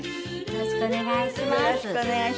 よろしくお願いします。